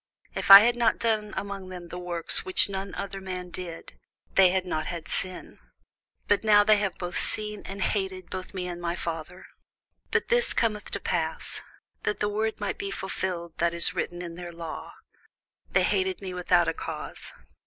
If I had not done among them the works which none other man did, they had not had sin: but now have they both seen and hated both me and my Father. But this cometh to pass, that the word might be fulfilled that is written in their law, They hated me without a cause.